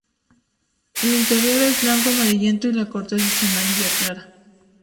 El interior es blanco amarillento y la corteza es amarilla clara.